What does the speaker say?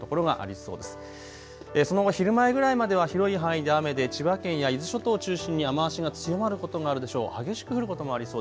その後、昼前ぐらいまでは広い範囲で雨で千葉県や伊豆諸島を中心に雨足が強まることもあるでしょう。